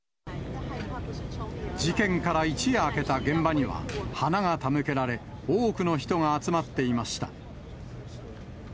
事件から一夜明けた現場には、花が手向けられ、多くの人が集まっていました。